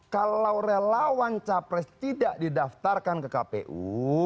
kalau relawan capres tidak didaftarkan ke kpu